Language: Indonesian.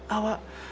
awang suka dia